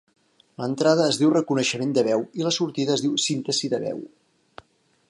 L'entrada es diu reconeixement de veu i la sortida es diu síntesi de veu.